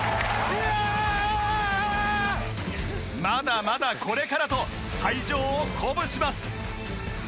まだまだこれからと会場を鼓舞します。